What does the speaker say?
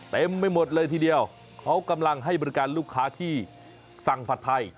ไม่หมดเลยทีเดียวเขากำลังให้บริการลูกค้าที่สั่งผัดไทย